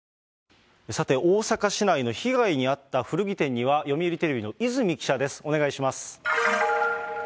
さて、大阪市内の被害に遭った古着店には、読売テレビの泉記者です、お願いします。